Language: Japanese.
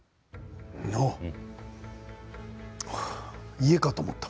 家かと思った。